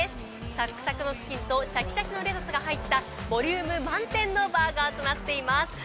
サクサクのチキンとシャキシャキのレタスが入ったボリューム満点のバーガーとなっています。